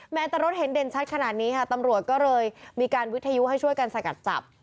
แต่รถเห็นเด่นชัดขนาดนี้ค่ะตำรวจก็เลยมีการวิทยุให้ช่วยกันสกัดจับ